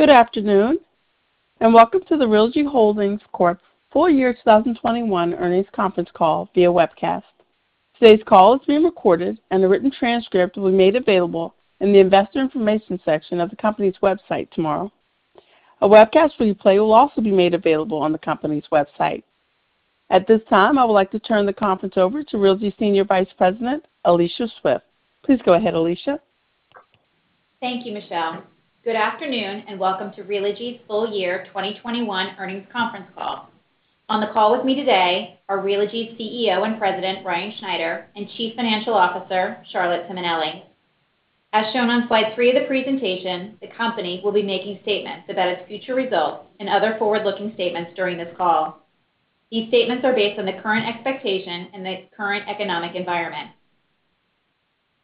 Good afternoon, and welcome to the Realogy Holdings Corp Full Year 2021 Earnings Conference Call via webcast. Today's call is being recorded and a written transcript will be made available in the Investor Information section of the company's website tomorrow. A webcast replay will also be made available on the company's website. At this time, I would like to turn the conference over to Realogy Senior Vice President, Alicia Swift. Please go ahead, Alicia. Thank you, Michelle. Good afternoon, and welcome to Realogy's full year 2021 earnings conference call. On the call with me today are Realogy's CEO and President, Ryan Schneider, and Chief Financial Officer, Charlotte Simonelli. As shown on slide 3 of the presentation, the company will be making statements about its future results and other forward-looking statements during this call. These statements are based on the current expectation and the current economic environment.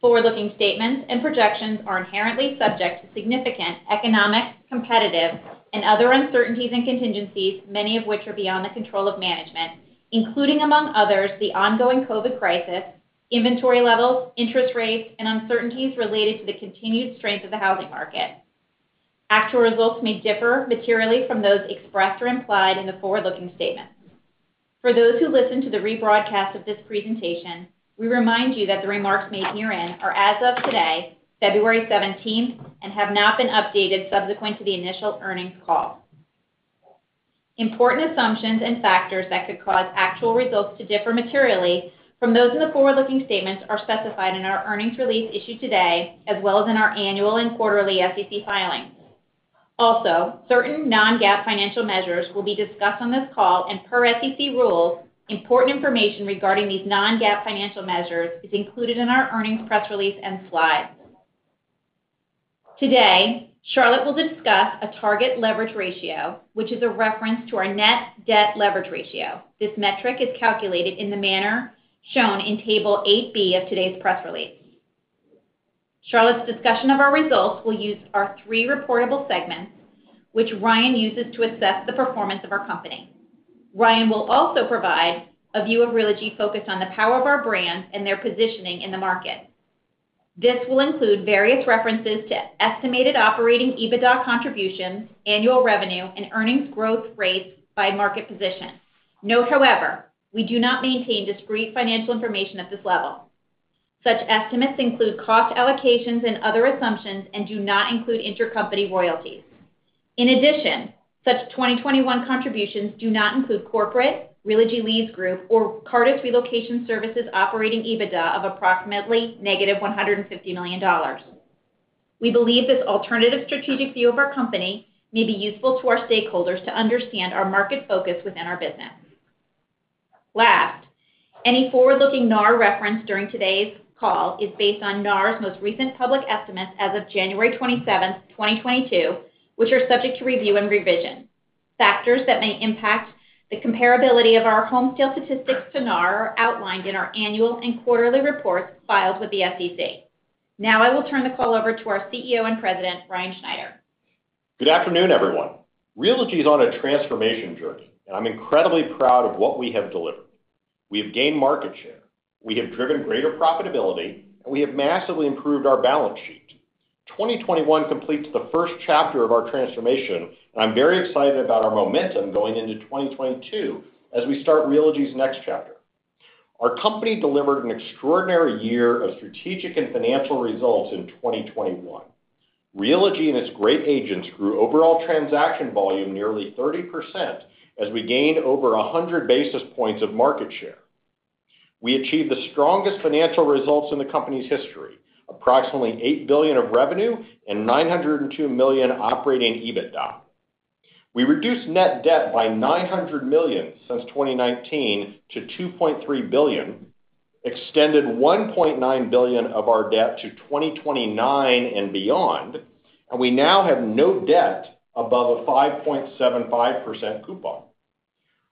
Forward-looking statements and projections are inherently subject to significant economic, competitive, and other uncertainties and contingencies, many of which are beyond the control of management, including, among others, the ongoing COVID crisis, inventory levels, interest rates, and uncertainties related to the continued strength of the housing market. Actual results may differ materially from those expressed or implied in the forward-looking statements. For those who listen to the rebroadcast of this presentation, we remind you that the remarks made herein are as of today, February 17th, and have not been updated subsequent to the initial earnings call. Important assumptions and factors that could cause actual results to differ materially from those in the forward-looking statements are specified in our earnings release issued today, as well as in our annual and quarterly SEC filings. Also, certain non-GAAP financial measures will be discussed on this call, and per SEC rules, important information regarding these non-GAAP financial measures is included in our earnings press release and slides. Today, Charlotte will discuss a target leverage ratio, which is a reference to our net debt leverage ratio. This metric is calculated in the manner shown in table 8-B of today's press release. Charlotte's discussion of our results will use our three reportable segments, which Ryan uses to assess the performance of our company. Ryan will also provide a view of Realogy focused on the power of our brands and their positioning in the market. This will include various references to estimated operating EBITDA contributions, annual revenue, and earnings growth rates by market position. Note, however, we do not maintain discrete financial information at this level. Such estimates include cost allocations and other assumptions and do not include intercompany royalties. In addition, such 2021 contributions do not include corporate, Realogy Leads Group, or Cartus Relocation Services operating EBITDA of approximately -$150 million. We believe this alternative strategic view of our company may be useful to our stakeholders to understand our market focus within our business. Last, any forward-looking NAR reference during today's call is based on NAR's most recent public estimates as of January 27, 2022, which are subject to review and revision. Factors that may impact the comparability of our home sales statistics to NAR are outlined in our annual and quarterly reports filed with the SEC. Now I will turn the call over to our CEO and President, Ryan Schneider. Good afternoon, everyone. Realogy is on a transformation journey, and I'm incredibly proud of what we have delivered. We have gained market share. We have driven greater profitability, and we have massively improved our balance sheet. 2021 completes the first chapter of our transformation, and I'm very excited about our momentum going into 2022 as we start Realogy's next chapter. Our company delivered an extraordinary year of strategic and financial results in 2021. Realogy and its great agents grew overall transaction volume nearly 30% as we gained over 100 basis points of market share. We achieved the strongest financial results in the company's history, approximately $8 billion of revenue and $902 million operating EBITDA. We reduced net debt by $900 million since 2019 to $2.3 billion, extended $1.9 billion of our debt to 2029 and beyond, and we now have no debt above a 5.75% coupon.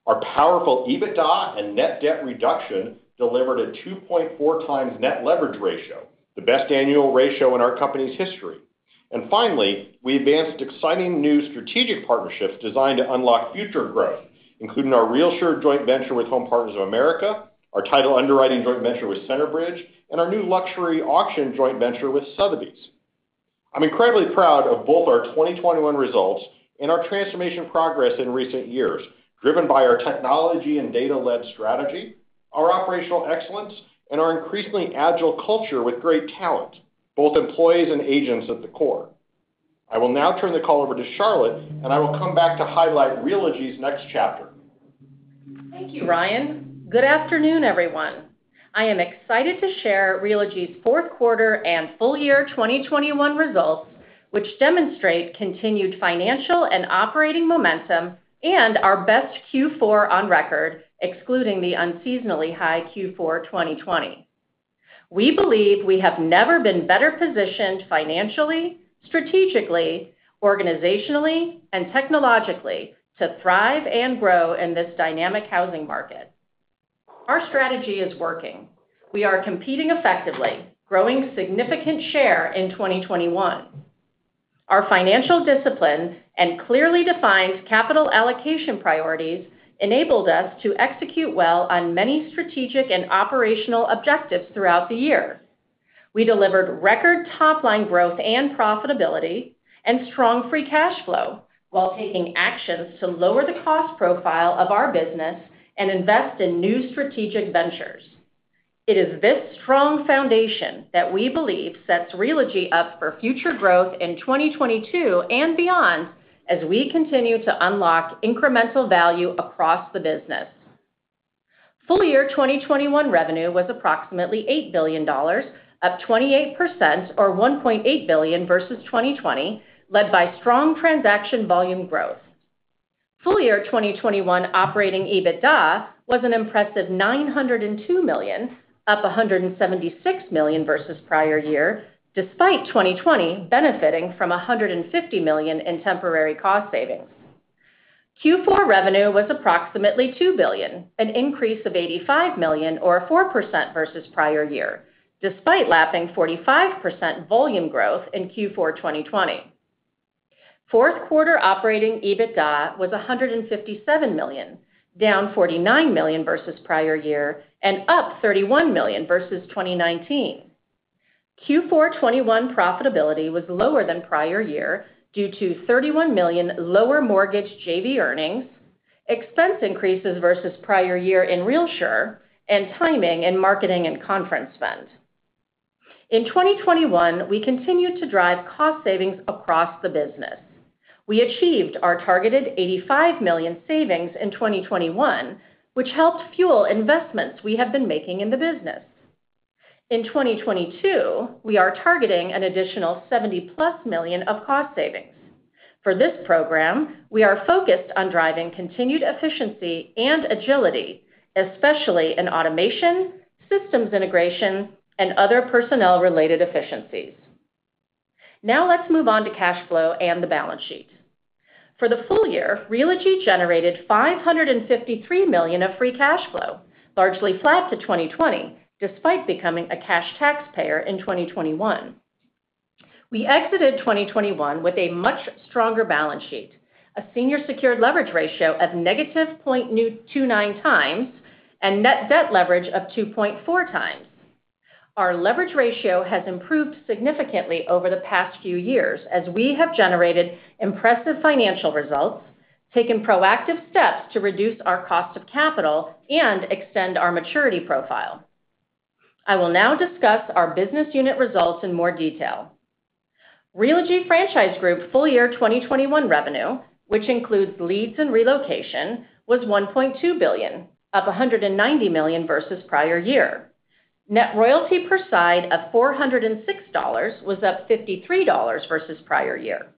Our powerful EBITDA and net debt reduction delivered a 2.4x net leverage ratio, the best annual ratio in our company's history. Finally, we advanced exciting new strategic partnerships designed to unlock future growth, including our RealSure joint venture with Home Partners of America, our title underwriting joint venture with Centerbridge, and our new luxury auction joint venture with Sotheby's. I'm incredibly proud of both our 2021 results and our transformation progress in recent years, driven by our technology and data-led strategy, our operational excellence, and our increasingly agile culture with great talent, both employees and agents at the core. I will now turn the call over to Charlotte, and I will come back to highlight Realogy's next chapter. Thank you, Ryan. Good afternoon, everyone. I am excited to share Realogy's fourth quarter and full year 2021 results, which demonstrate continued financial and operating momentum and our best Q4 on record, excluding the unseasonably high Q4 2020. We believe we have never been better positioned financially, strategically, organizationally, and technologically to thrive and grow in this dynamic housing market. Our strategy is working. We are competing effectively, growing significant share in 2021. Our financial discipline and clearly defined capital allocation priorities enabled us to execute well on many strategic and operational objectives throughout the year. We delivered record top-line growth and profitability and strong free cash flow while taking actions to lower the cost profile of our business and invest in new strategic ventures. It is this strong foundation that we believe sets Realogy up for future growth in 2022 and beyond as we continue to unlock incremental value across the business. Full year 2021 revenue was approximately $8 billion, up 28% or $1.8 billion versus 2020, led by strong transaction volume growth. Full year 2021 operating EBITDA was an impressive $902 million, up $176 million versus prior year, despite 2020 benefiting from $150 million in temporary cost savings. Q4 revenue was approximately $2 billion, an increase of $85 million or 4% versus prior year, despite lapping 45% volume growth in Q4 2020. Fourth quarter operating EBITDA was $157 million, down $49 million versus prior year and up $31 million versus 2019. Q4 2021 profitability was lower than prior year due to $31 million lower mortgage JV earnings, expense increases versus prior year in RealSure, and timing in marketing and conference spend. In 2021, we continued to drive cost savings across the business. We achieved our targeted $85 million savings in 2021, which helped fuel investments we have been making in the business. In 2022, we are targeting an additional $70+ million of cost savings. For this program, we are focused on driving continued efficiency and agility, especially in automation, systems integration, and other personnel-related efficiencies. Now let's move on to cash flow and the balance sheet. For the full year, Realogy generated $553 million of free cash flow, largely flat to 2020, despite becoming a cash taxpayer in 2021. We exited 2021 with a much stronger balance sheet, a senior secured leverage ratio of -0.29x, and net debt leverage of 2.4x. Our leverage ratio has improved significantly over the past few years as we have generated impressive financial results, taken proactive steps to reduce our cost of capital, and extend our maturity profile. I will now discuss our business unit results in more detail. Realogy Franchise Group full year 2021 revenue, which includes leads and relocation, was $1.2 billion, up $190 million versus prior year. Net royalty per side of $406 was up $53 versus prior year.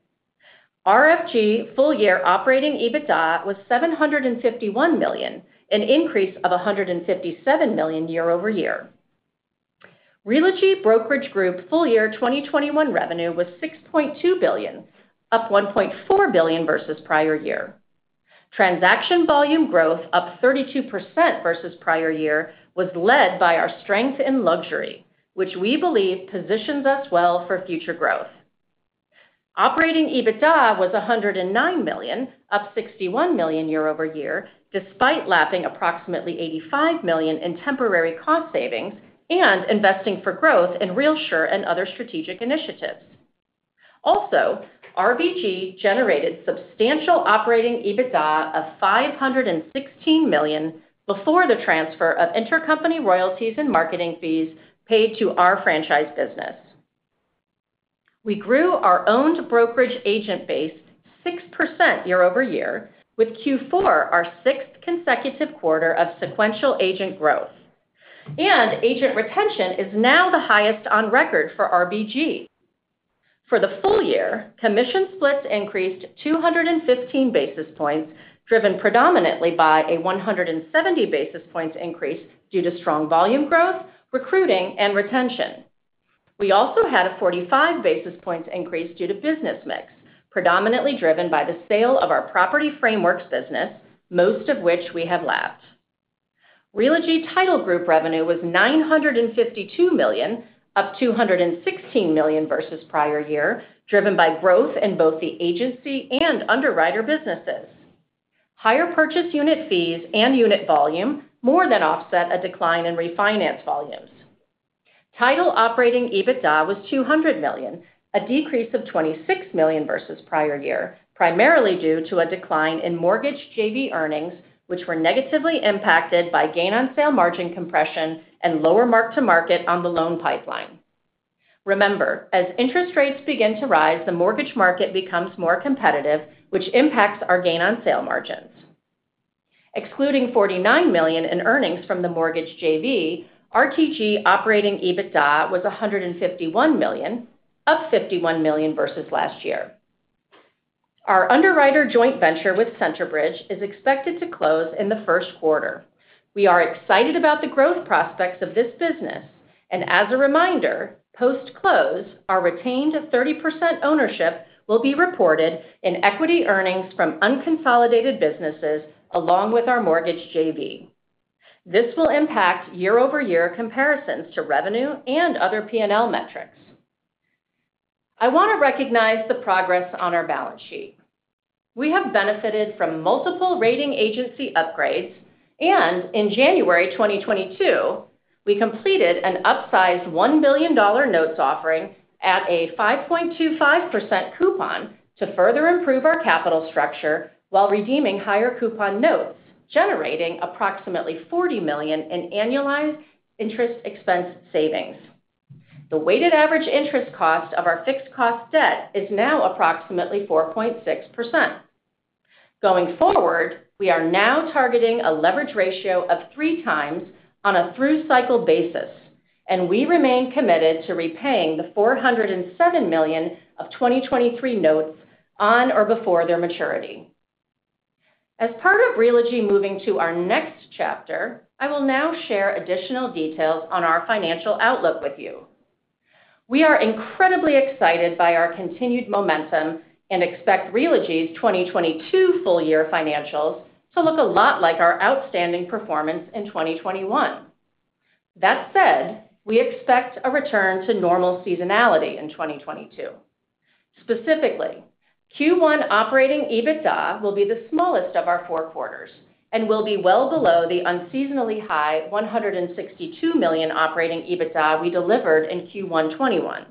RFG full year operating EBITDA was $751 million, an increase of $157 million year-over-year. Realogy Brokerage Group full year 2021 revenue was $6.2 billion, up $1.4 billion versus prior year. Transaction volume growth up 32% versus prior year was led by our strength in luxury, which we believe positions us well for future growth. Operating EBITDA was $109 million, up $61 million year-over-year, despite lapping approximately $85 million in temporary cost savings and investing for growth in RealSure and other strategic initiatives. Also, RBG generated substantial operating EBITDA of $516 million before the transfer of intercompany royalties and marketing fees paid to our franchise business. We grew our owned brokerage agent base 6% year-over-year, with Q4 our sixth consecutive quarter of sequential agent growth. Agent retention is now the highest on record for RBG. For the full year, commission splits increased 215 basis points, driven predominantly by a 170 basis points increase due to strong volume growth, recruiting, and retention. We also had a 45 basis points increase due to business mix, predominantly driven by the sale of our Property Frameworks business, most of which we have lapped. Realogy Title Group revenue was $952 million, up $216 million versus prior year, driven by growth in both the agency and underwriter businesses. Higher purchase unit fees and unit volume more than offset a decline in refinance volumes. Title operating EBITDA was $200 million, a decrease of $26 million versus prior year, primarily due to a decline in mortgage JV earnings, which were negatively impacted by gain on sale margin compression and lower mark-to-market on the loan pipeline. Remember, as interest rates begin to rise, the mortgage market becomes more competitive, which impacts our gain on sale margins. Excluding $49 million in earnings from the mortgage JV, RTG operating EBITDA was $151 million, up $51 million versus last year. Our underwriter joint venture with Centerbridge is expected to close in the first quarter. We are excited about the growth prospects of this business, and as a reminder, post-close, our retained 30% ownership will be reported in equity earnings from unconsolidated businesses along with our mortgage JV. This will impact year-over-year comparisons to revenue and other P&L metrics. I wanna recognize the progress on our balance sheet. We have benefited from multiple rating agency upgrades, and in January 2022, we completed an upsized $1 billion notes offering at a 5.25% coupon to further improve our capital structure while redeeming higher coupon notes, generating approximately $40 million in annualized interest expense savings. The weighted average interest cost of our fixed-rate debt is now approximately 4.6%. Going forward, we are now targeting a leverage ratio of 3x on a through-cycle basis, and we remain committed to repaying the $407 million of 2023 notes on or before their maturity. As part of Realogy moving to our next chapter, I will now share additional details on our financial outlook with you. We are incredibly excited by our continued momentum and expect Realogy's 2022 full-year financials to look a lot like our outstanding performance in 2021. That said, we expect a return to normal seasonality in 2022. Specifically, Q1 operating EBITDA will be the smallest of our four quarters and will be well below the unseasonably high $162 million operating EBITDA we delivered in Q1 2021.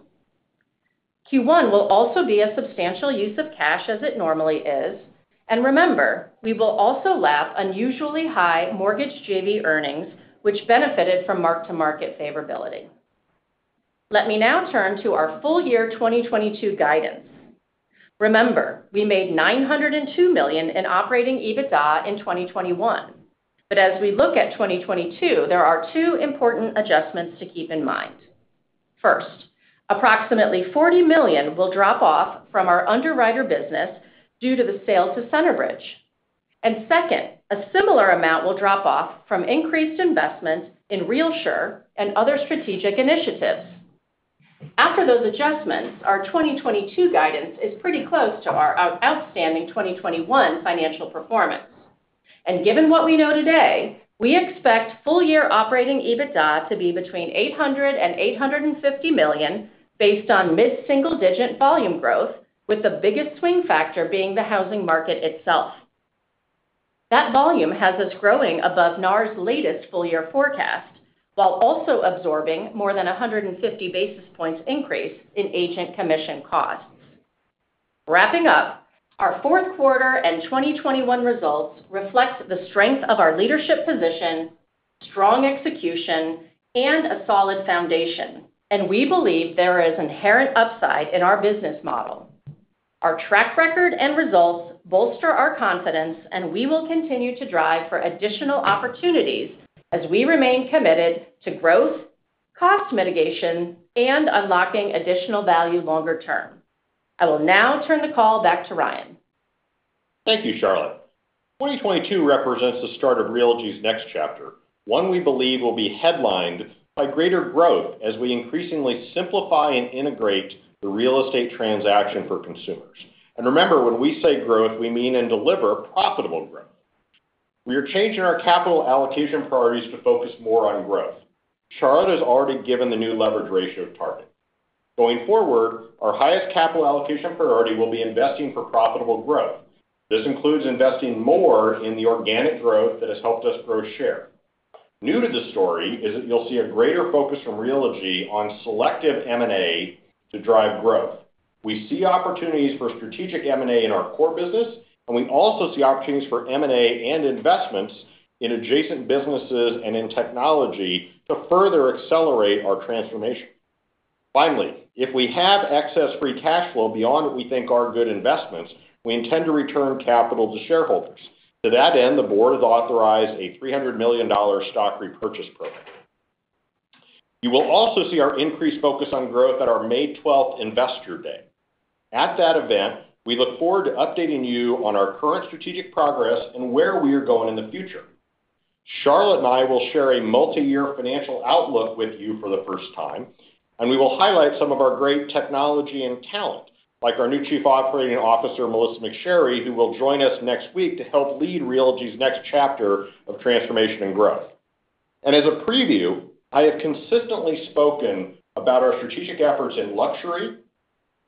Q1 will also be a substantial use of cash as it normally is, and remember, we will also lap unusually high mortgage JV earnings, which benefited from mark-to-market favorability. Let me now turn to our full year 2022 guidance. Remember, we made $902 million in operating EBITDA in 2021. As we look at 2022, there are two important adjustments to keep in mind. First, approximately $40 million will drop off from our underwriter business due to the sale to Centerbridge. Second, a similar amount will drop off from increased investments in RealSure and other strategic initiatives. After those adjustments, our 2022 guidance is pretty close to our outstanding 2021 financial performance. Given what we know today, we expect full-year operating EBITDA to be between $800 million and $850 million based on mid-single-digit volume growth, with the biggest swing factor being the housing market itself. That volume has us growing above NAR's latest full-year forecast, while also absorbing more than 150-basis-points increase in agent commission costs. Wrapping up, our fourth quarter and 2021 results reflect the strength of our leadership position, strong execution, and a solid foundation, and we believe there is inherent upside in our business model. Our track record and results bolster our confidence, and we will continue to drive for additional opportunities as we remain committed to growth, cost mitigation, and unlocking additional value longer term. I will now turn the call back to Ryan. Thank you, Charlotte. 2022 represents the start of Realogy's next chapter, one we believe will be headlined by greater growth as we increasingly simplify and integrate the real estate transaction for consumers. Remember, when we say growth, we mean and deliver profitable growth. We are changing our capital allocation priorities to focus more on growth. Charlotte has already given the new leverage ratio target. Going forward, our highest capital allocation priority will be investing for profitable growth. This includes investing more in the organic growth that has helped us grow share. New to the story is that you'll see a greater focus from Realogy on selective M&A to drive growth. We see opportunities for strategic M&A in our core business, and we also see opportunities for M&A and investments in adjacent businesses and in technology to further accelerate our transformation. Finally, if we have excess free cash flow beyond what we think are good investments, we intend to return capital to shareholders. To that end, the board has authorized a $300 million stock repurchase program. You will also see our increased focus on growth at our May 12 Investor Day. At that event, we look forward to updating you on our current strategic progress and where we are going in the future. Charlotte and I will share a multi-year financial outlook with you for the first time, and we will highlight some of our great technology and talent, like our new Chief Operating Officer, Melissa McSherry, who will join us next week to help lead Realogy's next chapter of transformation and growth. As a preview, I have consistently spoken about our strategic efforts in luxury,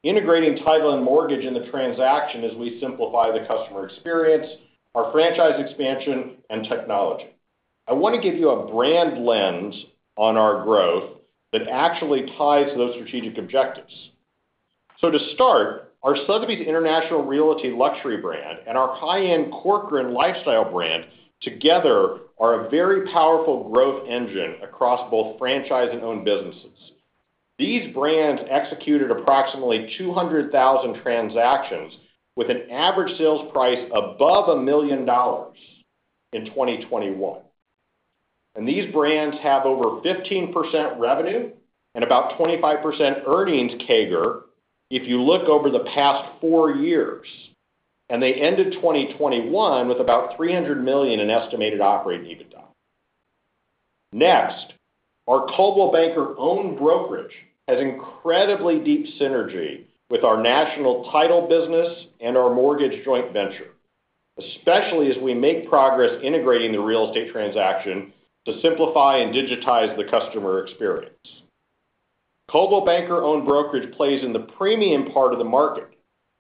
integrating title and mortgage in the transaction as we simplify the customer experience, our franchise expansion, and technology. I wanna give you a brand lens on our growth that actually ties those strategic objectives. To start, our Sotheby's International Realty luxury brand and our high-end Corcoran lifestyle brand together are a very powerful growth engine across both franchise and owned businesses. These brands executed approximately 200,000 transactions with an average sales price above $1 million in 2021. These brands have over 15% revenue and about 25% earnings CAGR if you look over the past 4 years, and they ended 2021 with about $300 million in estimated operating EBITDA. Next, our Coldwell Banker-owned brokerage has incredibly deep synergy with our national title business and our mortgage joint venture. Especially as we make progress integrating the real estate transaction to simplify and digitize the customer experience. Coldwell Banker owned brokerage plays in the premium part of the market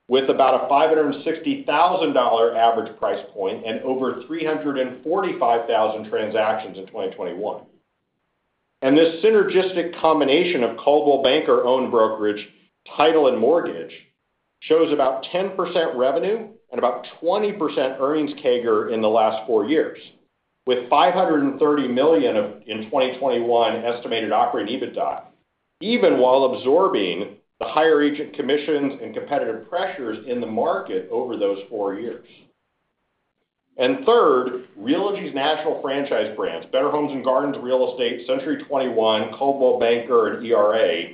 with about a $560,000 average price point and over 345,000 transactions in 2021. This synergistic combination of Coldwell Banker owned brokerage, title, and mortgage shows about 10% revenue and about 20% earnings CAGR in the last 4 years, with $530 million in 2021 estimated operating EBITDA, even while absorbing the higher agent commissions and competitive pressures in the market over those 4 years. Third, Realogy's national franchise brands, Better Homes and Gardens Real Estate, Century 21, Coldwell Banker, and ERA,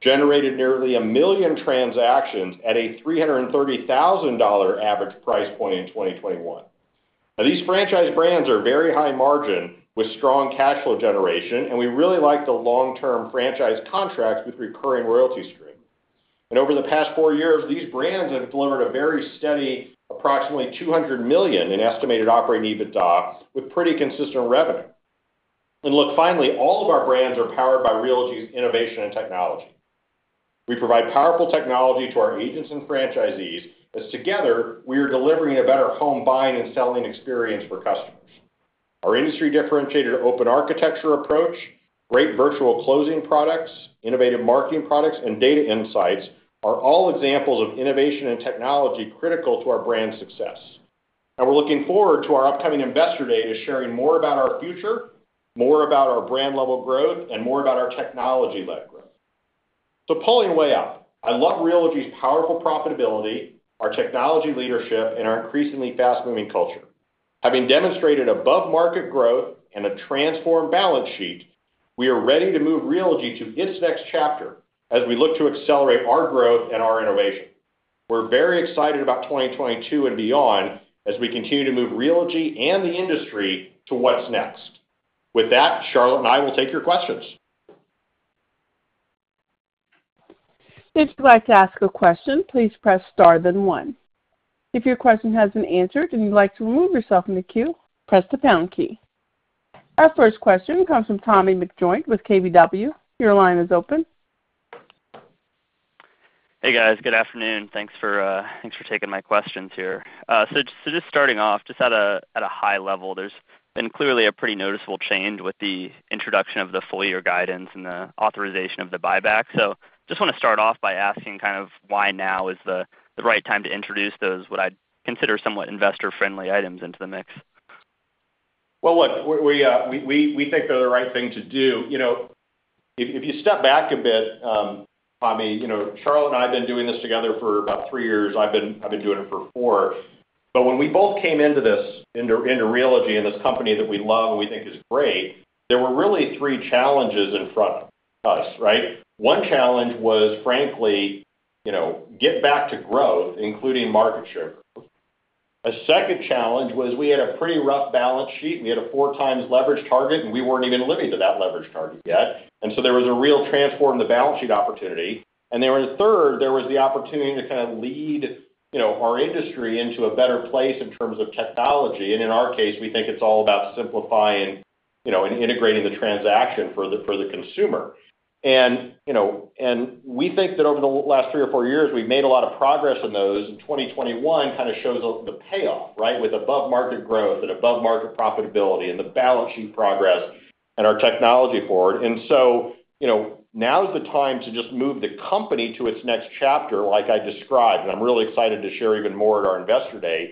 generated nearly 1 million transactions at a $330,000 average price point in 2021. Now these franchise brands are very high margin with strong cash flow generation, and we really like the long-term franchise contracts with recurring royalty stream. Over the past 4 years, these brands have delivered a very steady approximately $200 million in estimated operating EBITDA with pretty consistent revenue. Look, finally, all of our brands are powered by Realogy's innovation and technology. We provide powerful technology to our agents and franchisees as together, we are delivering a better home buying and selling experience for customers. Our industry differentiated open architecture approach, great virtual closing products, innovative marketing products, and data insights are all examples of innovation and technology critical to our brand success. We're looking forward to our upcoming Investor Day to sharing more about our future, more about our brand level growth, and more about our technology-led growth. Pulling way out, I love Realogy's powerful profitability, our technology leadership, and our increasingly fast-moving culture. Having demonstrated above-market growth and a transformed balance sheet, we are ready to move Realogy to its next chapter as we look to accelerate our growth and our innovation. We're very excited about 2022 and beyond as we continue to move Realogy and the industry to what's next. With that, Charlotte and I will take your questions. If you'd like to ask a question, please press star then one. If your question has been answered and you'd like to remove yourself from the queue, press the pound key. Our first question comes from Thomas McJoynt with KBW. Your line is open. Hey, guys. Good afternoon. Thanks for taking my questions here. Just starting off, just at a high level, there's been clearly a pretty noticeable change with the introduction of the full year guidance and the authorization of the buyback. Just wanna start off by asking kind of why now is the right time to introduce those, what I'd consider somewhat investor-friendly items into the mix. Well, look, we think they're the right thing to do. You know, if you step back a bit, Tommy, you know, Charlotte and I have been doing this together for about three years. I've been doing it for four. But when we both came into this, into Realogy and this company that we love and we think is great, there were really three challenges in front of us, right? One challenge was frankly, you know, get back to growth, including market share growth. A second challenge was we had a pretty rough balance sheet, and we had a 4x leverage target, and we weren't even living to that leverage target yet. There was a real transform the balance sheet opportunity. Third, there was the opportunity to kind of lead, you know, our industry into a better place in terms of technology. In our case, we think it's all about simplifying, you know, and integrating the transaction for the, for the consumer. You know, and we think that over the last three or four years, we've made a lot of progress in those, and 2021 kind of shows us the payoff, right? With above market growth and above market profitability and the balance sheet progress and our technology forward. You know, now is the time to just move the company to its next chapter, like I described, and I'm really excited to share even more at our Investor Day.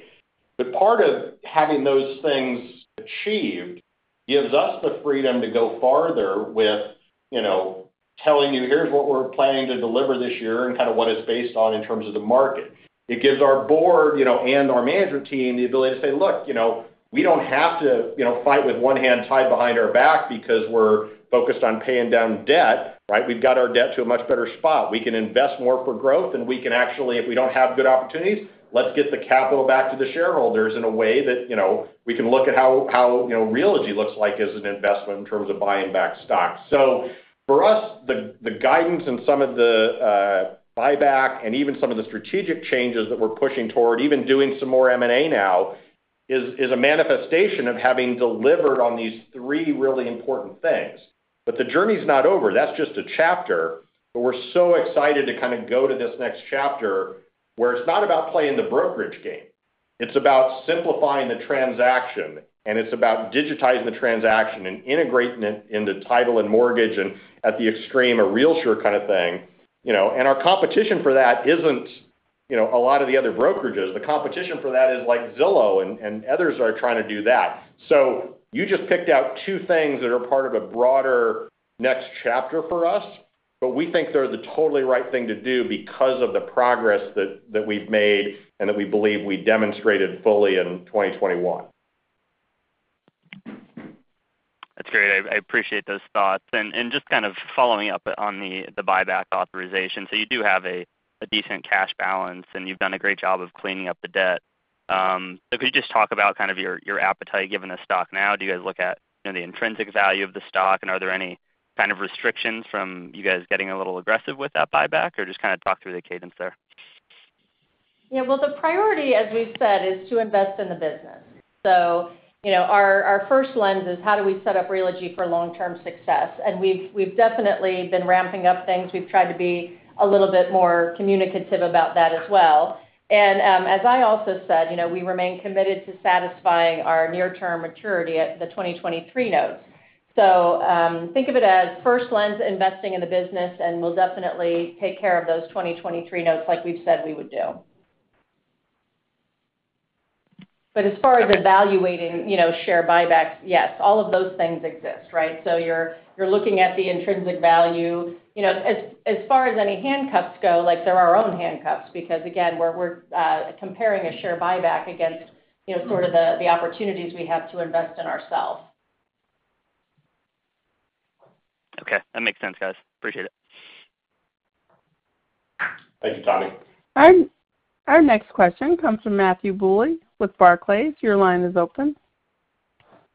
Part of having those things achieved gives us the freedom to go farther with, you know, telling you, here's what we're planning to deliver this year and kind of what it's based on in terms of the market. It gives our board, you know, and our management team the ability to say, "Look, you know, we don't have to, you know, fight with one hand tied behind our back because we're focused on paying down debt," right? We've got our debt to a much better spot. We can invest more for growth, and we can actually, if we don't have good opportunities, let's get the capital back to the shareholders in a way that, you know, we can look at how, you know, Realogy looks like as an investment in terms of buying back stocks. For us, the guidance and some of the buyback and even some of the strategic changes that we're pushing toward, even doing some more M&A now is a manifestation of having delivered on these three really important things. The journey's not over. That's just a chapter. We're so excited to kind of go to this next chapter where it's not about playing the brokerage game. It's about simplifying the transaction, and it's about digitizing the transaction and integrating it into title and mortgage and at the extreme, a RealSure kind of thing. You know, and our competition for that isn't, you know, a lot of the other brokerages. The competition for that is like Zillow and others are trying to do that. You just picked out two things that are part of a broader next chapter for us, but we think they're the totally right thing to do because of the progress that we've made and that we believe we demonstrated fully in 2021. That's great. I appreciate those thoughts. Just kind of following up on the buyback authorization. You do have a decent cash balance, and you've done a great job of cleaning up the debt. Could you just talk about kind of your appetite given the stock now? Do you guys look at, you know, the intrinsic value of the stock, and are there any kind of restrictions from you guys getting a little aggressive with that buyback, or just kind of talk through the cadence there? Yeah. Well, the priority, as we've said, is to invest in the business. You know, our first lens is how do we set up Realogy for long-term success? We've definitely been ramping up things. We've tried to be a little bit more communicative about that as well. As I also said, you know, we remain committed to satisfying our near-term maturity at the 2023 notes. Think of it as first lens investing in the business, and we'll definitely take care of those 2023 notes like we've said we would do. As far as evaluating, you know, share buybacks, yes, all of those things exist, right? You're looking at the intrinsic value. You know, as far as any handcuffs go, like, they're our own handcuffs because, again, we're comparing a share buyback against, you know, sort of the opportunities we have to invest in ourselves. Okay, that makes sense, guys. Appreciate it. Thank you, Tommy. Our next question comes from Matthew Bouley with Barclays. Your line is open.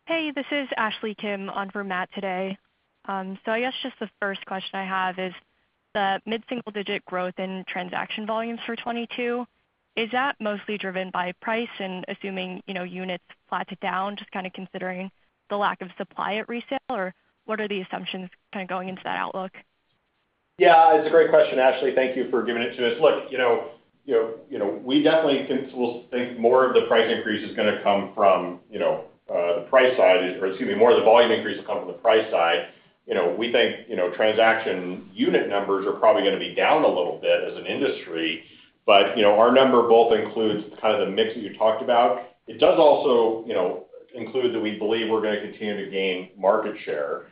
Hey, this is Ashley Kim on for Matt today. I guess just the first question I have is the mid-single-digit growth in transaction volumes for 2022, is that mostly driven by price and assuming, you know, units flat to down, just kinda considering the lack of supply at resale, or what are the assumptions kinda going into that outlook? Yeah, it's a great question, Ashley. Thank you for giving it to us. Look, you know, we'll think more of the price increase is gonna come from, you know, the price side. Or excuse me, more of the volume increase will come from the price side. You know, we think, you know, transaction unit numbers are probably gonna be down a little bit as an industry. You know, our number both includes kind of the mix that you talked about. It does also, you know, include that we believe we're gonna continue to gain market share.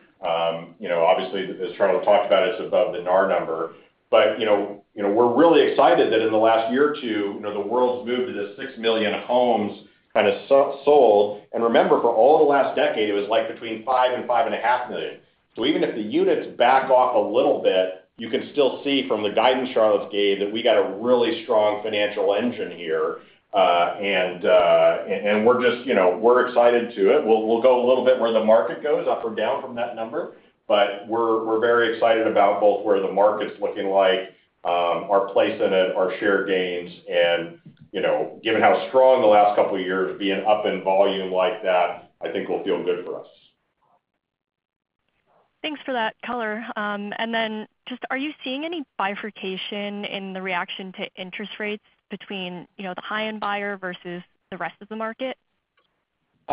You know, obviously, as Charlotte talked about, it's above the NAR number. You know, you know, we're really excited that in the last year or two, you know, the world's moved to this 6 million homes kind of sold. Remember, for all the last decade, it was like between 5 million and 5.5 million. Even if the units back off a little bit, you can still see from the guidance Charlotte's gave that we got a really strong financial engine here. We're just, you know, we're excited to it. We'll go a little bit where the market goes up or down from that number. We're very excited about both where the market's looking like, our place in it, our share gains, and, you know, given how strong the last couple of years being up in volume like that, I think will feel good for us. Thanks for that color. Just, are you seeing any bifurcation in the reaction to interest rates between, you know, the high-end buyer versus the rest of the market?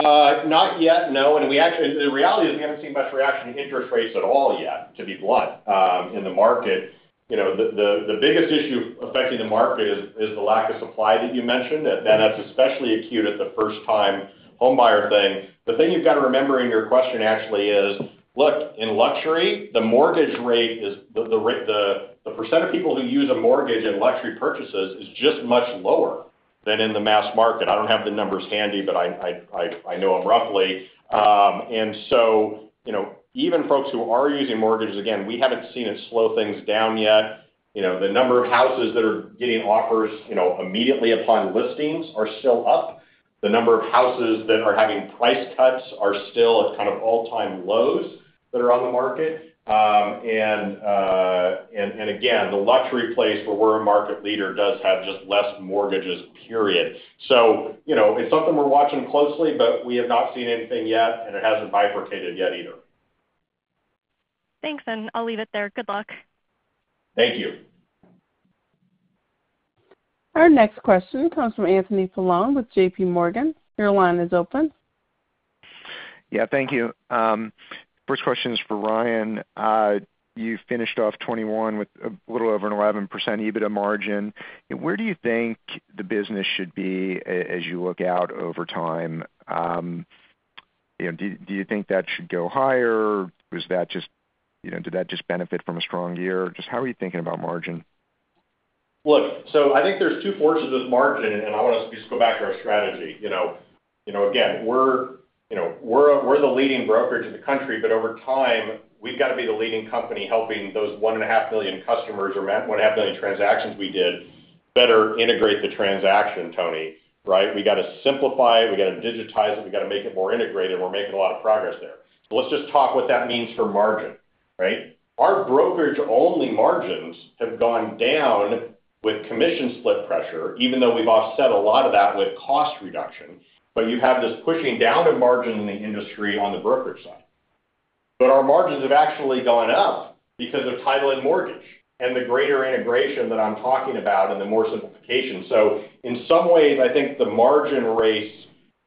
Not yet, no. The reality is we haven't seen much reaction to interest rates at all yet, to be blunt, in the market. You know, the biggest issue affecting the market is the lack of supply that you mentioned, and that's especially acute at the first-time home buyer thing. The thing you've got to remember in your question actually is, look, in luxury, the mortgage rate is the percent of people who use a mortgage in luxury purchases is just much lower than in the mass market. I don't have the numbers handy, but I know them roughly. You know, even folks who are using mortgages, again, we haven't seen it slow things down yet. You know, the number of houses that are getting offers, you know, immediately upon listings are still up. The number of houses that are having price cuts are still at kind of all-time lows that are on the market. Again, the luxury place where we're a market leader does have just less mortgages, period. You know, it's something we're watching closely, but we have not seen anything yet, and it hasn't bifurcated yet either. Thanks, and I'll leave it there. Good luck. Thank you. Our next question comes from Anthony Paolone with JPMorgan. Your line is open. Yeah. Thank you. First question is for Ryan. You finished off 2021 with a little over an 11% EBITDA margin. Where do you think the business should be as you look out over time? You know, do you think that should go higher? Was that just, you know, did that just benefit from a strong year? Just how are you thinking about margin? Look, I think there's two forces with margin, and I want us to just go back to our strategy. You know, again, you know, we're the leading brokerage in the country, but over time, we've got to be the leading company helping those 1.5 million transactions we did better integrate the transaction, Tony, right? We gotta simplify it. We gotta digitize it. We gotta make it more integrated. We're making a lot of progress there. Let's just talk what that means for margin, right? Our brokerage-only margins have gone down with commission split pressure, even though we've offset a lot of that with cost reduction. You have this pushing down of margin in the industry on the brokerage side. Our margins have actually gone up because of title and mortgage and the greater integration that I'm talking about and the more simplification. In some ways, I think the margin race,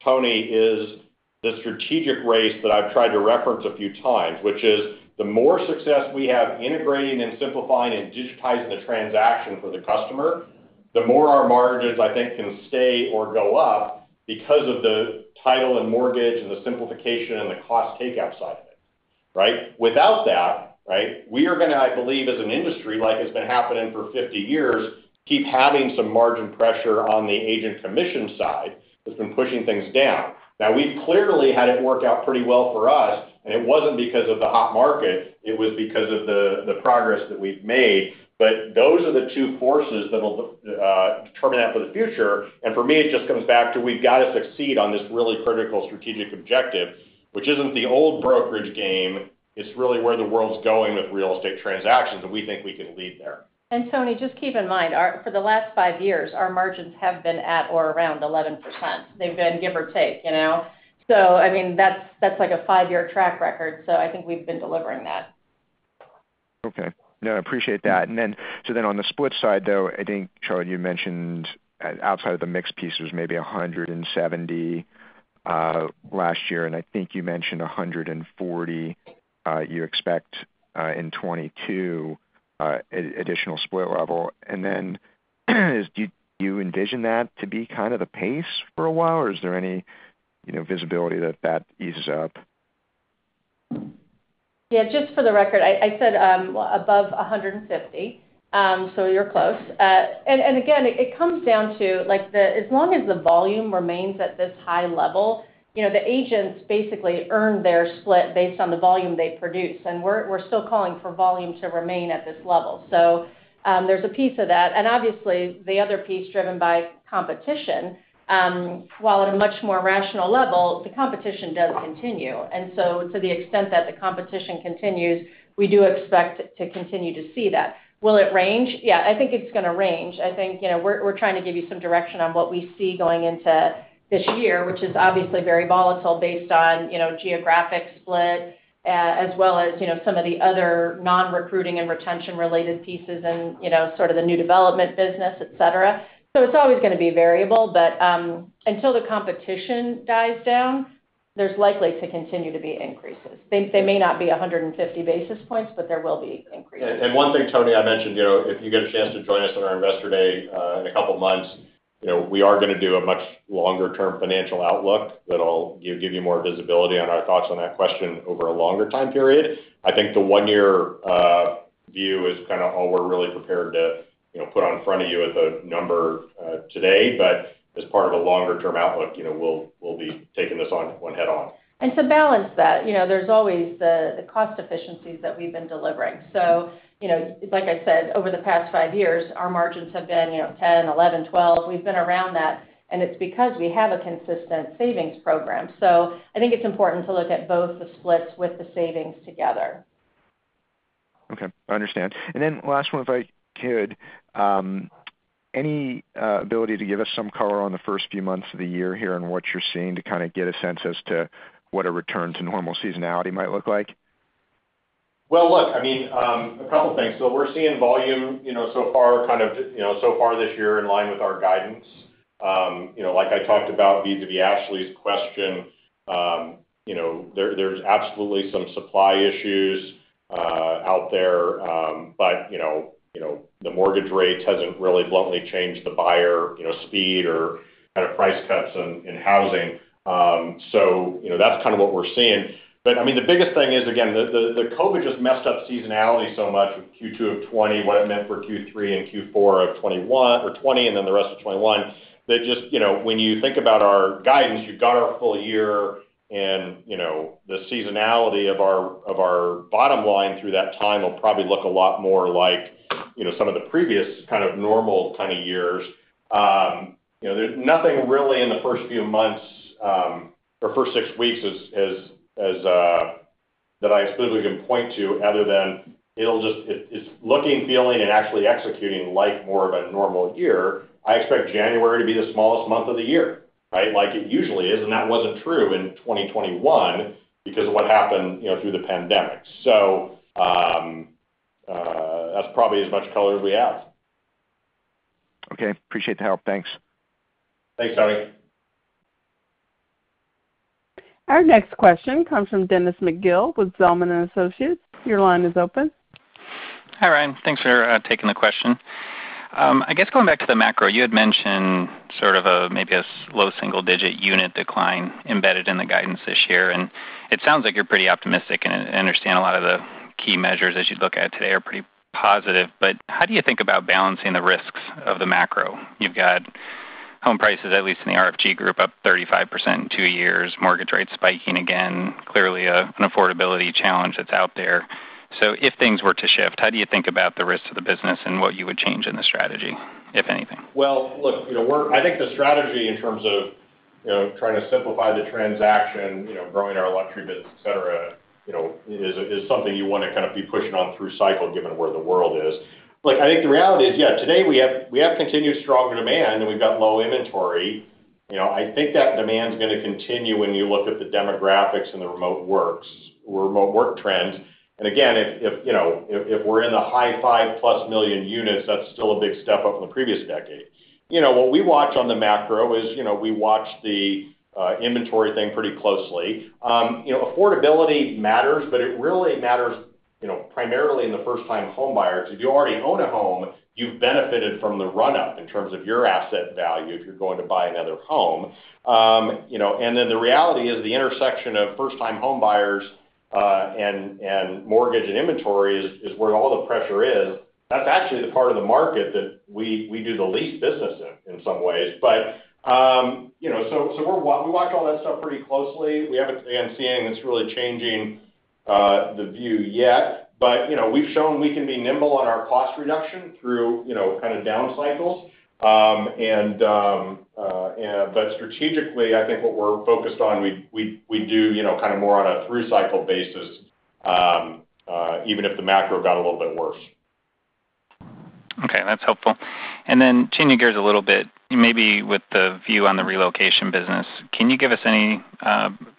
Tony, is the strategic race that I've tried to reference a few times, which is the more success we have integrating and simplifying and digitizing the transaction for the customer, the more our margins, I think, can stay or go up because of the title and mortgage and the simplification and the cost takeout side of it, right? Without that, right, we are gonna, I believe, as an industry, like it's been happening for 50 years, keep having some margin pressure on the agent commission side that's been pushing things down. Now, we've clearly had it work out pretty well for us, and it wasn't because of the hot market, it was because of the progress that we've made. Those are the two forces that'll determine that for the future. For me, it just comes back to we've got to succeed on this really critical strategic objective, which isn't the old brokerage game. It's really where the world's going with real estate transactions, and we think we can lead there. Tony, just keep in mind, our, for the last five years, our margins have been at or around 11%. They've been give or take, you know? I mean, that's like a five-year track record, so I think we've been delivering that. Okay. No, I appreciate that. On the split side though, I think, Charlotte, you mentioned outside of the mix piece, there was maybe 170 last year, and I think you mentioned 140 you expect in 2022 additional split level. Do you envision that to be kind of the pace for a while, or is there any, you know, visibility that that eases up? Yeah. Just for the record, I said above 150. You're close. Again, it comes down to, like, as long as the volume remains at this high level, you know, the agents basically earn their split based on the volume they produce. We're still calling for volume to remain at this level. There's a piece of that. Obviously, the other piece driven by competition, while at a much more rational level, the competition does continue. To the extent that the competition continues, we do expect to continue to see that. Will it range? Yeah, I think it's gonna range. I think, you know, we're trying to give you some direction on what we see going into this year, which is obviously very volatile based on, you know, geographic split, as well as, you know, some of the other non-recruiting and retention-related pieces and, you know, sort of the new development business, etc. It's always gonna be variable. Until the competition dies down, there's likely to continue to be increases. They may not be 150 basis points, but there will be increases. One thing, Tony, I mentioned, you know, if you get a chance to join us on our Investor Day in a couple of months, you know, we are gonna do a much longer-term financial outlook that'll give you more visibility on our thoughts on that question over a longer time period. I think the one-year view is kind of all we're really prepared to, you know, put out in front of you as a number today. As part of a longer-term outlook, you know, we'll be taking this on, head-on. To balance that, you know, there's always the cost efficiencies that we've been delivering. You know, like I said, over the past 5 years, our margins have been, you know, 10%, 11%, 12%. We've been around that, and it's because we have a consistent savings program. I think it's important to look at both the splits with the savings together. Okay. I understand. Last one, if I could. Any ability to give us some color on the first few months of the year here and what you're seeing to kind of get a sense as to what a return to normal seasonality might look like? Well, look, I mean, a couple of things. We're seeing volume, you know, so far, kind of, you know, so far this year in line with our guidance. You know, like I talked about vis-à-vis Ashley's question, you know, there's absolutely some supply issues out there. You know, you know, the mortgage rates hasn't really bluntly changed the buyer, you know, speed or kind of price cuts in housing. You know, that's kind of what we're seeing. I mean, the biggest thing is, again, the COVID just messed up seasonality so much with Q2 of 2020, what it meant for Q3 and Q4 of 2021 or 2020 and then the rest of 2021, that just, you know, when you think about our guidance, you've got our full year and, you know, the seasonality of our bottom line through that time will probably look a lot more like, you know, some of the previous kind of normal kind of years. You know, there's nothing really in the first few months, or first six weeks that I specifically can point to other than it'll just, it's looking, feeling, and actually executing like more of a normal year. I expect January to be the smallest month of the year, right? Like it usually is, and that wasn't true in 2021 because of what happened, you know, through the pandemic. That's probably as much color as we have. Okay. I appreciate the help. Thanks. Thanks, Tony. Our next question comes from Dennis McGill with Zelman & Associates. Your line is open. Hi, Ryan. Thanks for taking the question. I guess going back to the macro, you had mentioned sort of maybe a low single-digit unit decline embedded in the guidance this year, and it sounds like you're pretty optimistic, and I understand a lot of the key measures as you look at today are pretty positive. How do you think about balancing the risks of the macro? You've got home prices, at least in the RFG group, up 35% in 2 years, mortgage rates spiking again, clearly an affordability challenge that's out there. If things were to shift, how do you think about the risk to the business and what you would change in the strategy, if anything? Well, look, you know, I think the strategy in terms of, you know, trying to simplify the transaction, you know, growing our luxury business, etc., you know, is something you wanna kind of be pushing on through cycle given where the world is. Look, I think the reality is, yeah, today we have continued stronger demand, and we've got low inventory. You know, I think that demand's gonna continue when you look at the demographics and the remote work trends. Again, if you know, if we're in the high 5+ million units, that's still a big step up from the previous decade. You know, what we watch on the macro is, you know, we watch the inventory thing pretty closely. You know, affordability matters, but it really matters, you know, primarily in the first-time homebuyers. If you already own a home, you've benefited from the run-up in terms of your asset value if you're going to buy another home. You know, the reality is the intersection of first-time homebuyers and mortgage and inventory is where all the pressure is. That's actually the part of the market that we do the least business in some ways. You know, so we watch all that stuff pretty closely. We haven't been seeing this really changing the view yet. You know, we've shown we can be nimble on our cost reduction through you know, kind of down cycles. Strategically, I think what we're focused on we do, you know, kind of more on a through-cycle basis, even if the macro got a little bit worse. Okay, that's helpful. Changing gears a little bit, maybe with the view on the relocation business, can you give us any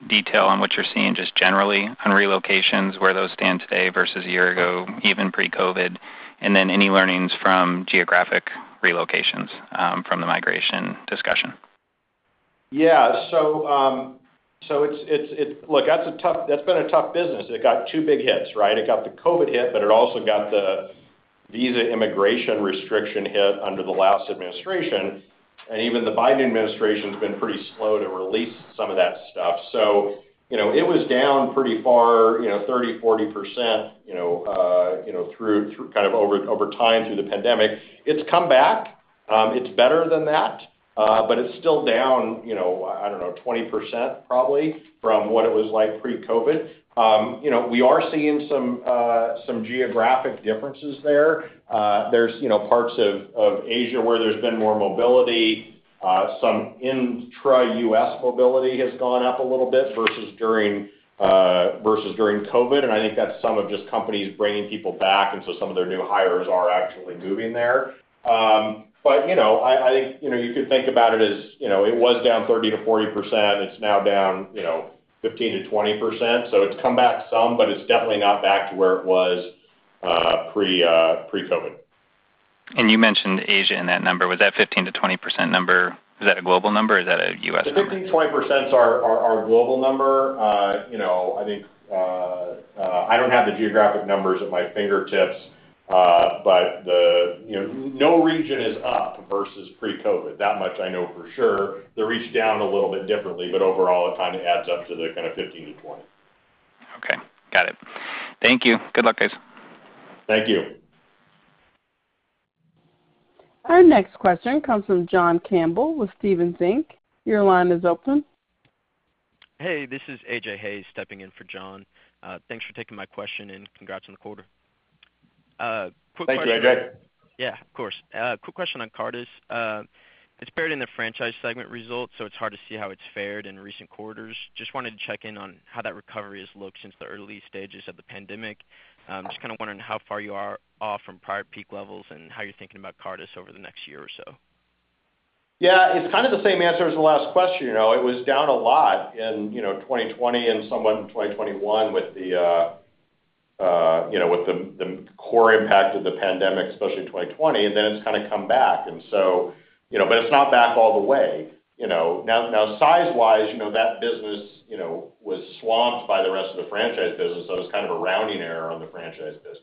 detail on what you're seeing just generally on relocations, where those stand today versus a year ago, even pre-COVID? Any learnings from geographic relocations from the migration discussion? Yeah. Look, that's been a tough business. It got two big hits, right? It got the COVID hit, but it also got the visa immigration restriction hit under the last administration. Even the Biden administration's been pretty slow to release some of that stuff. You know, it was down pretty far, you know, 30%-40%, you know, through kind of over time through the pandemic. It's come back. It's better than that. It's still down, you know, I don't know, 20% probably from what it was like pre-COVID. You know, we are seeing some geographic differences there. There's, you know, parts of Asia where there's been more mobility. Some intra-U.S. mobility has gone up a little bit versus during COVID, and I think that's some of just companies bringing people back, and so some of their new hires are actually moving there. You know, I think, you know, you could think about it as, you know, it was down 30%-40%. It's now down, you know, 15%-20%. It's come back some, but it's definitely not back to where it was pre-COVID. You mentioned Asia in that number. Was that 15%-20% number, is that a global number, or is that a U.S. number? The 15%-20% is our global number. You know, I think I don't have the geographic numbers at my fingertips, but you know, no region is up versus pre-COVID. That much I know for sure. They're each down a little bit differently, but overall, it kind of adds up to the kind of 15%-20%. Okay. Got it. Thank you. Good luck, guys. Thank you. Our next question comes from John Campbell with Stephens Inc Your line is open. Hey, this is AJ Hayes stepping in for John. Thanks for taking my question, and congrats on the quarter. Thank you, AJ. Yeah, of course. Quick question on Cartus. It's buried in the franchise segment results, so it's hard to see how it's fared in recent quarters. Just wanted to check in on how that recovery has looked since the early stages of the pandemic. Just kind of wondering how far you are off from prior peak levels and how you're thinking about Cartus over the next year or so. Yeah. It's kind of the same answer as the last question. You know, it was down a lot in 2020 and somewhat in 2021 with the core impact of the pandemic, especially in 2020, and then it's kind of come back. You know, but it's not back all the way, you know. Now size-wise, you know, that business, you know, was swamped by the rest of the franchise business, so it was kind of a rounding error on the franchise business.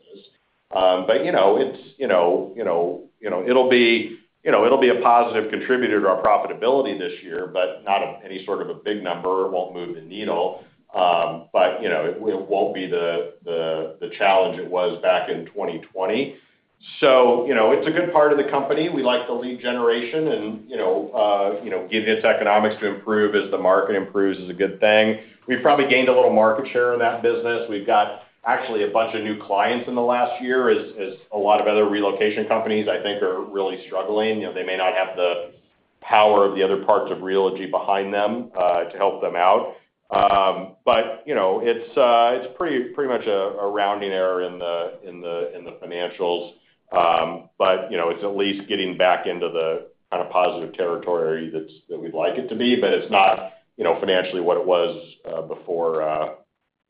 But, you know, it'll be a positive contributor to our profitability this year, but not any sort of a big number. It won't move the needle. But, you know, it won't be the challenge it was back in 2020. You know, it's a good part of the company. We like the lead generation and get its economics to improve as the market improves is a good thing. We've probably gained a little market share in that business. We've got actually a bunch of new clients in the last year as a lot of other relocation companies, I think, are really struggling. You know, they may not have the power of the other parts of Realogy behind them to help them out. You know, it's pretty much a rounding error in the financials. You know, it's at least getting back into the kind of positive territory that we'd like it to be, but it's not, you know, financially what it was before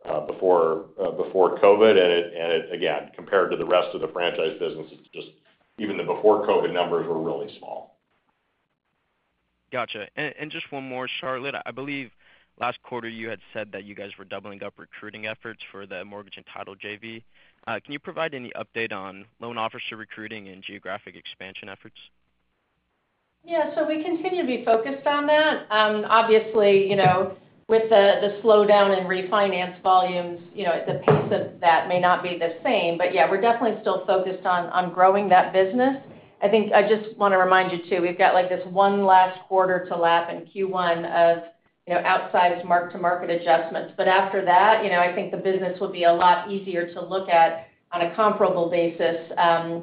COVID. It again, compared to the rest of the franchise business, it's just even the before COVID numbers were really small. Gotcha. Just one more, Charlotte. I believe last quarter you had said that you guys were doubling up recruiting efforts for the mortgage and title JV. Can you provide any update on loan officer recruiting and geographic expansion efforts? Yeah. We continue to be focused on that. Obviously, you know, with the slowdown in refinance volumes, you know, the pace of that may not be the same. Yeah, we're definitely still focused on growing that business. I think I just wanna remind you too, we've got, like, this one last quarter to lap in Q1 of, you know, outsized mark-to-market adjustments. After that, you know, I think the business will be a lot easier to look at on a comparable basis,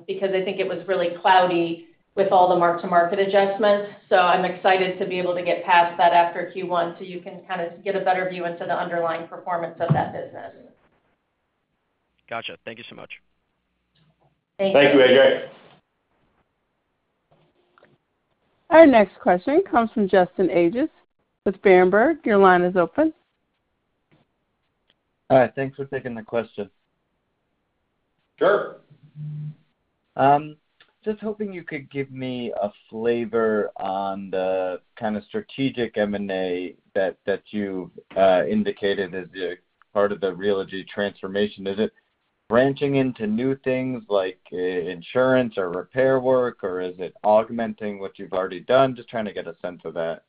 because I think it was really cloudy with all the mark-to-market adjustments. I'm excited to be able to get past that after Q1, so you can kind of get a better view into the underlying performance of that business. Gotcha. Thank you so much. Thank you. Thank you, AJ. Our next question comes from Justin Ages with Berenberg. Your line is open. All right. Thanks for taking the question. Sure. Just hoping you could give me a flavor on the kind of strategic M&A that you've indicated as a part of the Realogy transformation. Is it branching into new things like insurance or repair work, or is it augmenting what you've already done? Just trying to get a sense of that.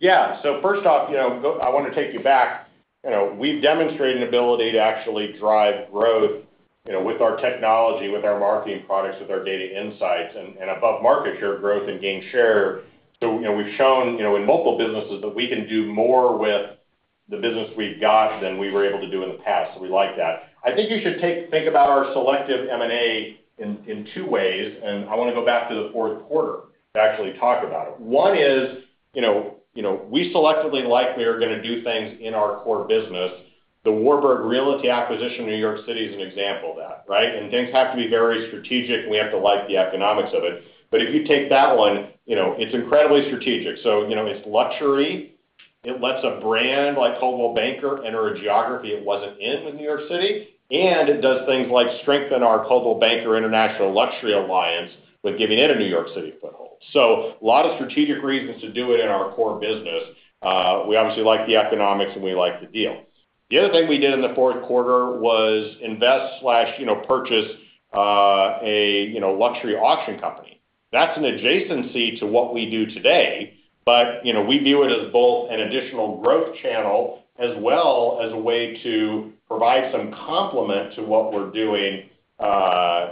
Yeah. First off, you know, I wanna take you back. You know, we've demonstrated an ability to actually drive growth, you know, with our technology, with our marketing products, with our data insights and above market share growth and gain share. You know, we've shown, you know, in multiple businesses that we can do more with the business we've got than we were able to do in the past, so we like that. I think you should think about our selective M&A in two ways, and I wanna go back to the fourth quarter to actually talk about it. One is, you know, we selectively likely are gonna do things in our core business. The Warburg Realty acquisition in New York City is an example of that, right? Things have to be very strategic, and we have to like the economics of it. If you take that one, you know, it's incredibly strategic. You know, it's luxury. It lets a brand like Coldwell Banker enter a geography it wasn't in New York City. It does things like strengthen our Coldwell Banker International Luxury Alliance with giving it a New York City foothold. A lot of strategic reasons to do it in our core business. We obviously like the economics, and we like the deal. The other thing we did in the fourth quarter was invest slash, you know, purchase, a, you know, luxury auction company. That's an adjacency to what we do today, but, you know, we view it as both an additional growth channel as well as a way to provide some complement to what we're doing,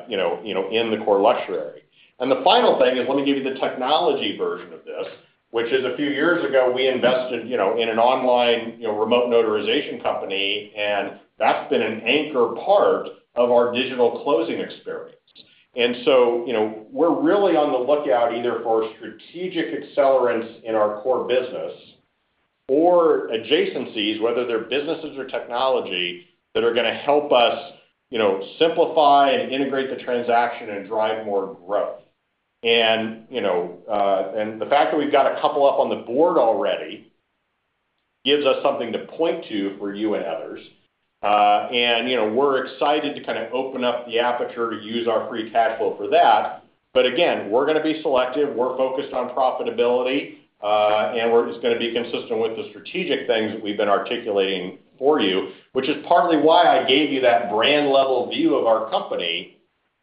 you know, in the core luxury. The final thing is, let me give you the technology version of this, which is a few years ago, we invested, you know, in an online, you know, remote notarization company, and that's been an anchor part of our digital closing experience. You know, we're really on the lookout either for strategic accelerants in our core business or adjacencies, whether they're businesses or technology, that are gonna help us, you know, simplify and integrate the transaction and drive more growth. You know, and the fact that we've got a couple up on the board already gives us something to point to for you and others. You know, we're excited to kind of open up the aperture to use our free cash flow for that. Again, we're gonna be selective. We're focused on profitability, and we're just gonna be consistent with the strategic things that we've been articulating for you, which is partly why I gave you that brand-level view of our company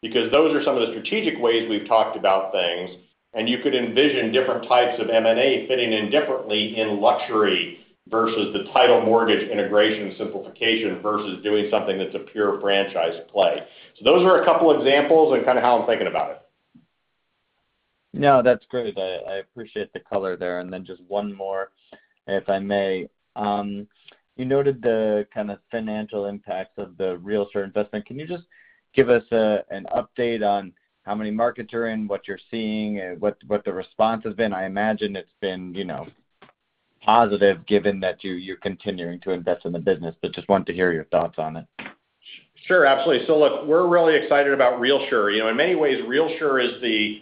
because those are some of the strategic ways we've talked about things. You could envision different types of M&A fitting in differently in luxury versus the title mortgage integration and simplification versus doing something that's a pure franchise play. Those are a couple examples on kind of how I'm thinking about it. No, that's great. I appreciate the color there. Just one more, if I may. You noted the kind of financial impacts of the RealSure investment. Can you just give us an update on how many markets you're in, what you're seeing, what the response has been? I imagine it's been, you know, positive given that you're continuing to invest in the business, but I just want to hear your thoughts on it. Sure, absolutely. Look, we're really excited about RealSure. You know, in many ways, RealSure is the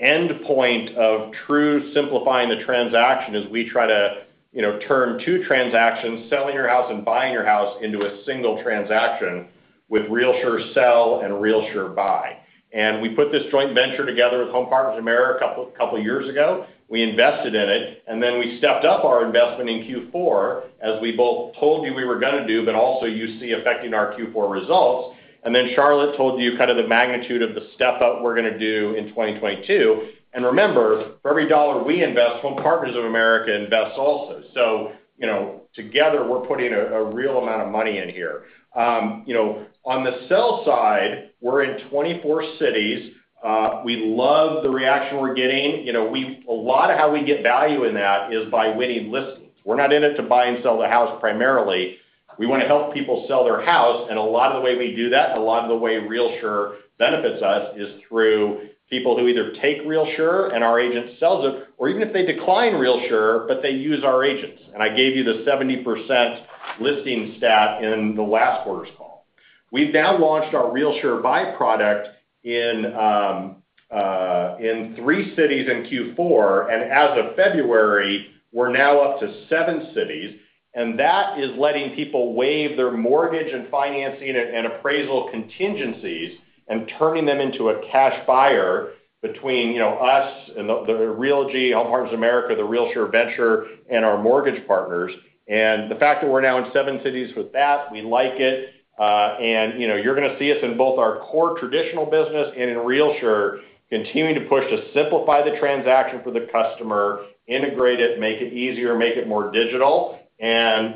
endpoint of true simplifying the transaction as we try to, you know, turn two transactions, selling your house and buying your house, into a single transaction with RealSure Sell and RealSure Buy. We put this joint venture together with Home Partners of America a couple years ago. We invested in it, and then we stepped up our investment in Q4, as we both told you we were gonna do, but also you see affecting our Q4 results. Charlotte told you kind of the magnitude of the step-up we're gonna do in 2022. Remember, for every dollar we invest, Home Partners of America invests also. You know, together, we're putting a real amount of money in here. You know, on the sell side, we're in 24 cities. We love the reaction we're getting. You know, a lot of how we get value in that is by winning listings. We're not in it to buy and sell the house primarily. We wanna help people sell their house, and a lot of the way we do that, and a lot of the way RealSure benefits us is through people who either take RealSure, and our agent sells it, or even if they decline RealSure, but they use our agents. I gave you the 70% listing stat in the last quarter's call. We've now launched our RealSure Buy product in 3 cities in Q4, and as of February, we're now up to 7 cities, and that is letting people waive their mortgage and financing and appraisal contingencies and turning them into a cash buyer between, you know, us and the Realogy, Home Partners of America, the RealSure venture, and our mortgage partners. The fact that we're now in 7 cities with that, we like it, and you know, you're gonna see us in both our core traditional business and in RealSure continuing to push to simplify the transaction for the customer, integrate it, make it easier, make it more digital.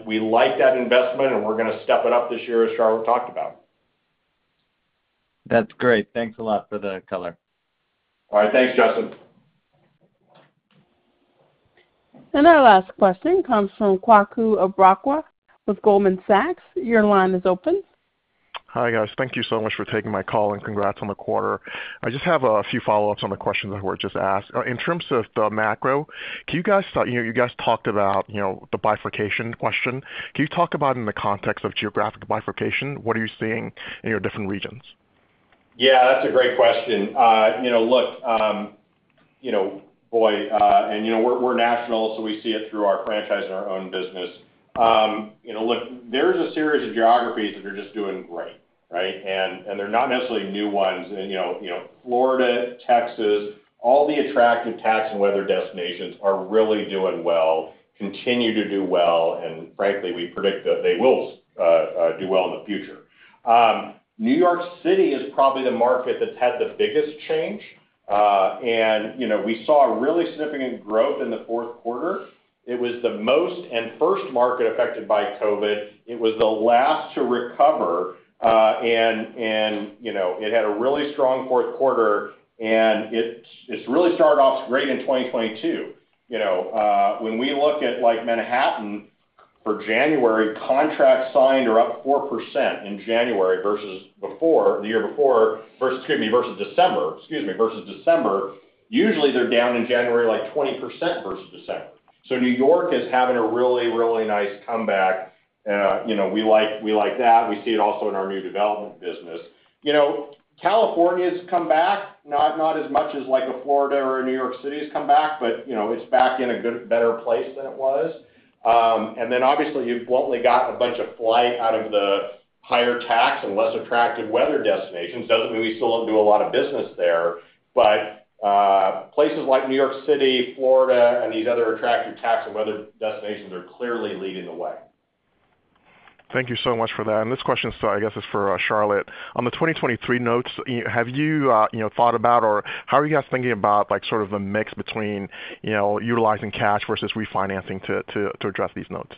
We like that investment, and we're gonna step it up this year, as Charlotte talked about. That's great. Thanks a lot for the color. All right. Thanks, Justin. Our last question comes from Kwaku Abrokwah with Goldman Sachs. Your line is open. Hi, guys. Thank you so much for taking my call, and congrats on the quarter. I just have a few follow-ups on the questions that were just asked. In terms of the macro, can you guys talk. You know, you guys talked about, you know, the bifurcation question. Can you talk about in the context of geographic bifurcation? What are you seeing in your different regions? Yeah, that's a great question. You know, look, you know, we're national, so we see it through our franchise and our own business. You know, look, there's a series of geographies that are just doing great, right? They're not necessarily new ones. You know, you know, Florida, Texas, all the attractive tax and weather destinations are really doing well, continue to do well, and frankly, we predict that they will do well in the future. New York City is probably the market that's had the biggest change. You know, we saw a really significant growth in the fourth quarter. It was the most and first market affected by COVID. It was the last to recover. It had a really strong fourth quarter, and it's really started off great in 2022. You know, when we look at, like, Manhattan for January, contracts signed are up 4% in January versus December. Usually, they're down in January, like, 20% versus December. New York is having a really, really nice comeback. You know, we like that. We see it also in our new development business. You know, California's comeback, not as much as like Florida or New York City's comeback, but, you know, it's back in a good, better place than it was. Obviously, you've globally got a bunch of flight out of the higher tax and less attractive weather destinations. Doesn't mean we still don't do a lot of business there. Places like New York City, Florida, and these other attractive tax and weather destinations are clearly leading the way. Thank you so much for that. This question, I guess is for Charlotte. On the 2023 notes, have you know, thought about or how are you guys thinking about, like, sort of the mix between, you know, utilizing cash versus refinancing to address these notes?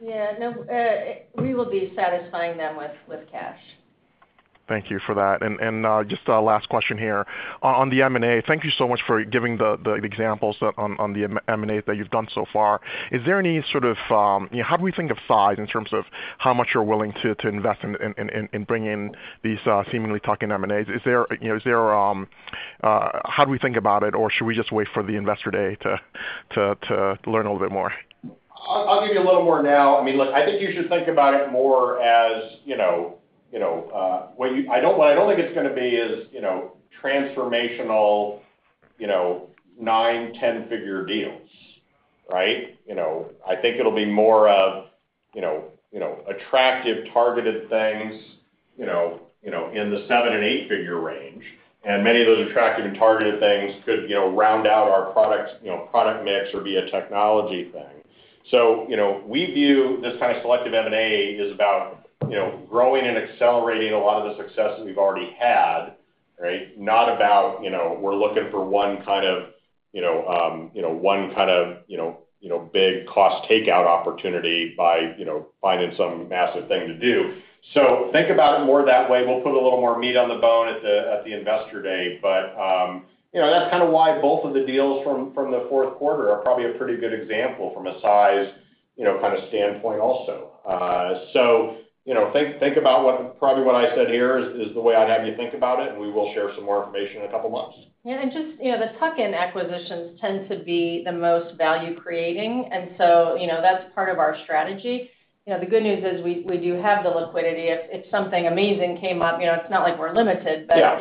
Yeah, no, we will be satisfying them with cash. Thank you for that. Just a last question here. On the M&A, thank you so much for giving the examples on the M&A that you've done so far. Is there any sort of, you know, how do we think of size in terms of how much you're willing to invest in bringing these seemingly tuck-in M&As? Is there, you know, how do we think about it, or should we just wait for the Investor Day to learn a little bit more? I'll give you a little more now. I mean, look, I think you should think about it more as, you know, I don't think it's gonna be as, you know, transformational, you know, 9-10-figure deals, right? You know, I think it'll be more of, you know, attractive, targeted things, you know, in the 7-8-figure range. Many of those attractive and targeted things could, you know, round out our products, you know, product mix or be a technology thing. You know, we view this kind of selective M&A is about, you know, growing and accelerating a lot of the success that we've already had, right? Not about, you know, we're looking for one kind of big cost takeout opportunity by, you know, finding some massive thing to do. Think about it more that way. We'll put a little more meat on the bone at the Investor Day, but, you know, that's kinda why both of the deals from the fourth quarter are probably a pretty good example from a size, you know, kind of standpoint also. Think about what I said here is the way I'd have you think about it, and we will share some more information in a couple of months. Yeah. Just, you know, the tuck-in acquisitions tend to be the most value-creating. You know, that's part of our strategy. You know, the good news is we do have the liquidity. If something amazing came up, you know, it's not like we're limited. Yeah.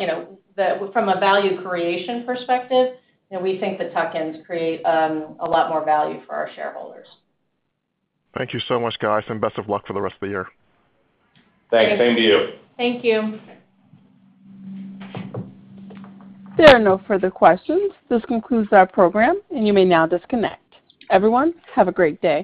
From a value creation perspective, you know, we think the tuck-ins create a lot more value for our shareholders. Thank you so much, guys, and best of luck for the rest of the year. Thanks. Same to you. Thank you. There are no further questions. This concludes our program, and you may now disconnect. Everyone, have a great day.